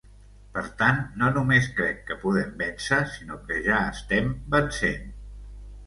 Per tant, no només crec que podem vèncer sinó que ja estem vencent.